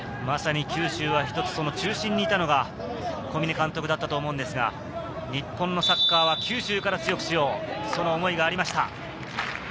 まさに「九州はひとつ！」、その中心にいたのが小嶺監督だったと思うんですが、日本のサッカーは九州から強くしよう、その思いがありました。